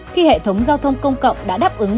khi hệ thống giao thông công cộng đã đáp ứng